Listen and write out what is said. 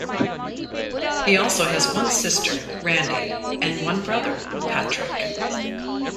He also has one sister, Randi, and one brother, Patrick.